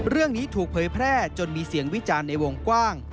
เรื่องนี้ถูกเผยแพร่จนมีเสียงวิจารณ์ในวงกว้าง